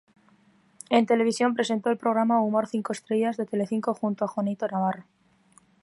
En televisión presentó el programa "Humor cinco estrellas", de Telecinco, junto a Juanito Navarro.